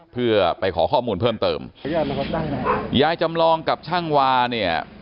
เพื่อไปขอข้อมูลเพิ่มเติมยายจำลองกับช่างวาเนี่ย